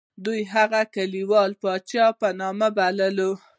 دوی هغه د کلیوال پاچا په نوم باله.